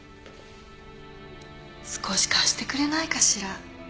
少し貸してくれないかしら？